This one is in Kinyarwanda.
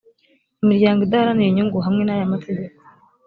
imiryango idaharanira inyungu hamwe n’aya mategeko